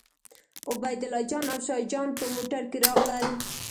عبیدالله جان او شاه جان په موټر کې راغلل.